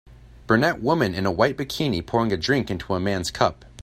Brunette woman in a white bikini pouring a drink into a man 's cup.